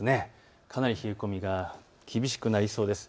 かなり冷え込みが厳しくなりそうです。